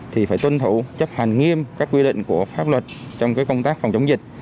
thì phải tuân thủ chấp hành nghiêm các quy định của pháp luật trong công tác phòng chống dịch